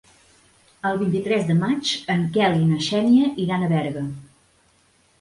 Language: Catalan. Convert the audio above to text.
El vint-i-tres de maig en Quel i na Xènia iran a Berga.